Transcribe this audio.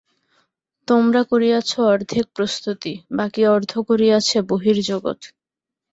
তোমরা করিয়াছ অর্ধেক প্রস্তুতি, বাকী অর্ধ করিয়াছে বহির্জগৎ।